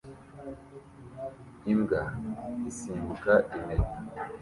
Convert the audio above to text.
Imbwa isimbuka impeta